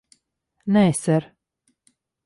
Nē, ser.